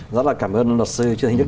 rất là cảm ơn lọt sư trương thành đức